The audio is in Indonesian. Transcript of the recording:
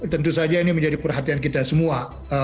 tentu saja ini menjadi perhatian kita semua